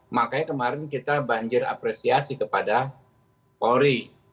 makanya kemarin kita banjir apresiasi kepada polri